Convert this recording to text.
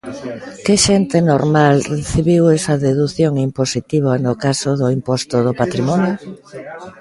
¿Que xente normal recibiu esa dedución impositiva no caso do imposto do patrimonio?